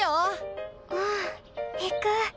うん行く。